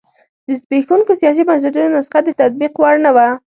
د زبېښونکو سیاسي بنسټونو نسخه د تطبیق وړ نه وه.